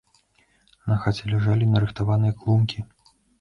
На хаце ляжалі нарыхтаваныя клумкі.